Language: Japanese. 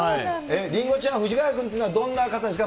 りんごちゃん、藤ヶ谷君というのはどんな方ですか？